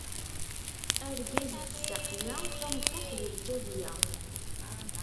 Argaz d saqiya tameṭṭut d lǧabiya.